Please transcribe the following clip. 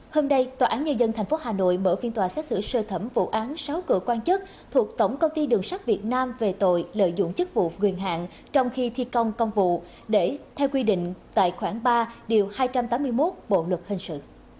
hôm nay tòa án nhân dân tp hà nội mở phiên tòa xét xử sơ thẩm vụ án sáu cựu quan chức thuộc tổng công ty đường sắt việt nam về tội lợi dụng chức vụ quyền hạn trong khi thi công công vụ để theo quy định tại khoảng ba điều hai trăm tám mươi một bộ luật hình sự